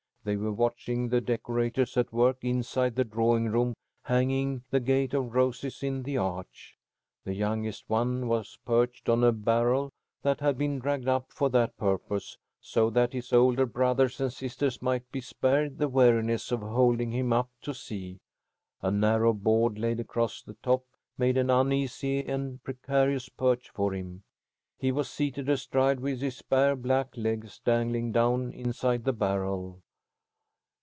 They were watching the decorators at work inside the drawing room, hanging the gate of roses in the arch. The youngest one was perched on a barrel that had been dragged up for that purpose, so that his older brothers and sisters might be spared the weariness of holding him up to see. A narrow board laid across the top made an uneasy and precarious perch for him. He was seated astride, with his bare black legs dangling down inside the barrel.